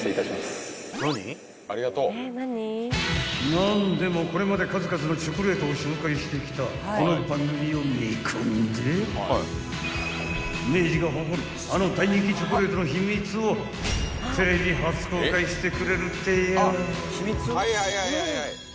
［何でもこれまで数々のチョコレートを紹介してきたこの番組を見込んで明治が誇るあの大人気チョコレートの秘密をテレビ初公開してくれるってよ］